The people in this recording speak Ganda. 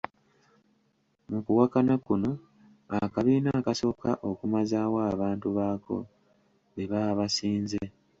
Mu kuwakana kuno, akabiina akasooka okumazaawo abantu baako be baba basinze.